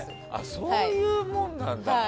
そういうものなんだ。